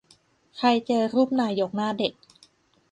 ใครเจอรูปนายกหน้าเด็ก